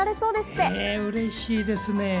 うれしいですね。